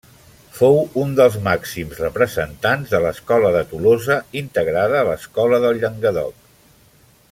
Fou un dels màxims representants de l'Escola de Tolosa, integrada a l'Escola del Llenguadoc.